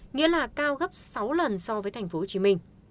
nghĩa là cao gấp sáu lần so với tp hcm